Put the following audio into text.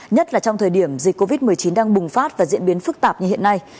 nhất là trong thời điểm dịch covid một mươi chín đang bùng phát và diễn biến phức tạp như hiện nay